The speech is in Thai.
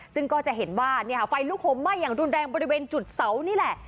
ซึ่งก็จะเห็นว่าไฟลุกห่มไหม้อย่างรุนแรงบริเวณจุดเสานี่แหละ